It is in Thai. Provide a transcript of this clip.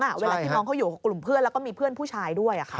เวลาที่น้องเขาอยู่กับกลุ่มเพื่อนแล้วก็มีเพื่อนผู้ชายด้วย